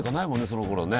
そのころね。